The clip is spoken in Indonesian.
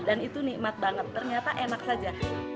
dan itu nikmat banget ternyata enak saja